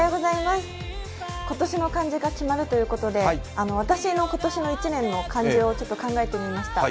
今年の漢字が決まるということで私の今年の１年の漢字を考えてみました。